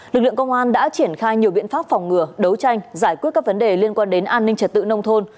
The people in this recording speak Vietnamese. lực lượng công an đã triển khai nhiều biện pháp phòng ngừa đấu tranh giải quyết các vấn đề liên quan đến an ninh trật tự nông thôn